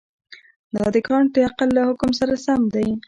دا د کانټ د عقل له حکم سره سم دی.